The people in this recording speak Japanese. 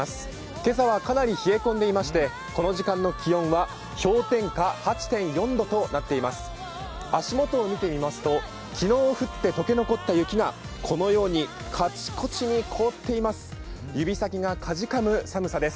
今朝はかなり冷え込んでいましてこの時間の気温は氷点下８．４度となっています。